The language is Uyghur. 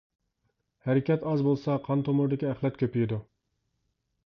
ھەرىكەت ئاز بولسا قان تومۇرىدىكى ئەخلەت كۆپىيىدۇ.